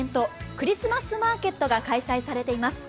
クリスマスマーケットが開催されています。